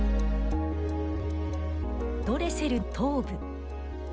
ドレセルの頭部。